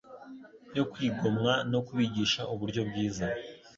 yo kwigomwa, no kubigisha uburyo bwiza